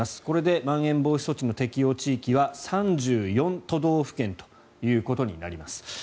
これでまん延防止措置の適用地域は３４都道府県ということになります。